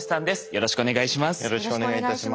よろしくお願いします。